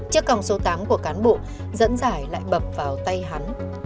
chiếc còng số tám của cán bộ dẫn giải lại bập vào tay hắn